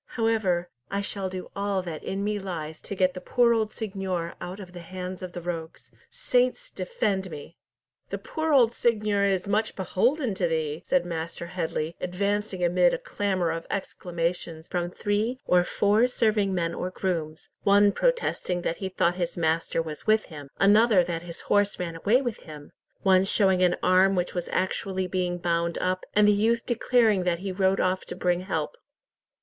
However, I shall do all that in me lies to get the poor old seignior out of the hands of the rogues. Saints defend me!" "The poor old seignior is much beholden to thee," said Master Headley, advancing amid a clamour of exclamations from three or four serving men or grooms, one protesting that he thought his master was with him, another that his horse ran away with him, one showing an arm which was actually being bound up, and the youth declaring that he rode off to bring help.